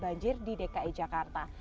banjir di dki jakarta